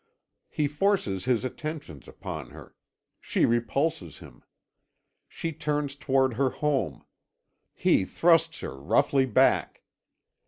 He forces his attentions upon her; she repulses him. She turns towards her home; he thrusts her roughly back.